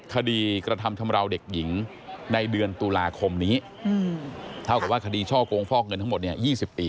กระทำชำราวเด็กหญิงในเดือนตุลาคมนี้เท่ากับว่าคดีช่อกงฟอกเงินทั้งหมดเนี่ย๒๐ปี